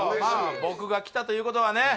僕が来たということはね